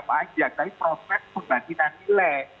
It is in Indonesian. banyak tapi proses pun bagi nanti